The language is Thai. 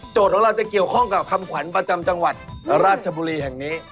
ของเราจะเกี่ยวข้องกับคำขวัญประจำจังหวัดราชบุรีแห่งนี้